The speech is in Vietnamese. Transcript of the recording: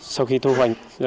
sau khi thu hoành